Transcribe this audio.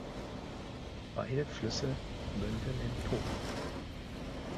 Beide Flüsse münden im Po.